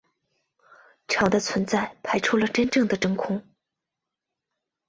场的存在排除了真正的真空。